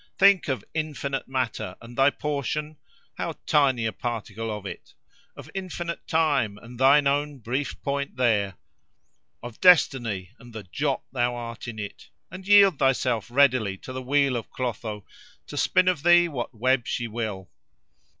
Think of infinite matter, and thy portion—how tiny a particle, of it! of infinite time, and thine own brief point there; of destiny, and the jot thou art in it; and yield thyself readily to the wheel of Clotho, to spin of thee what web she will.